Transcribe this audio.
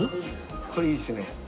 これいいですね。